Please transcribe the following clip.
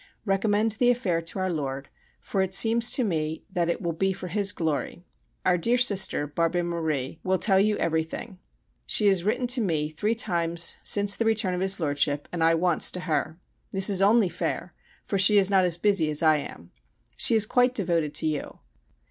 Recommend the affair to Our Lord, for it seems to me that it will be for His glory. Our dear Sister (Barbe Marie) will tell you everything. She has written to me three times since the return of his Lordship and I once to her. This is only fair, for she is not as busy as I am. She is quite devoted to you.